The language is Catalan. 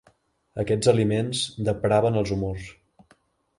Aquests aliments depraven els humors.